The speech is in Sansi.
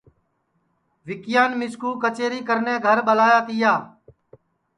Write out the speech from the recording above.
وکیان مِسکو کچیری کرنے اپٹؔے گھر ٻلایا تیا